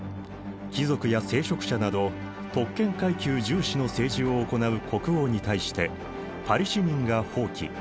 貴族や聖職者など特権階級重視の政治を行う国王に対してパリ市民が蜂起。